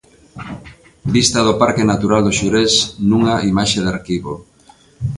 Vista do parque natural do Xurés, nunha imaxe de arquivo.